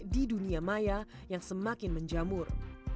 di dunia maya yang semakin menjamur